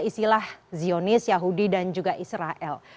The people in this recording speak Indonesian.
istilah zionis yahudi dan juga israel